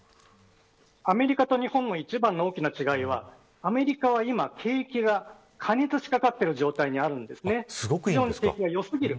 アメリカと日本の一番の大きな違いはアメリカは今景気が過熱しかかっている状態で景気が良すぎる。